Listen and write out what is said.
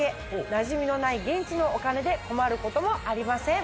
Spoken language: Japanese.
なじみのない現地のお金で困ることもありません。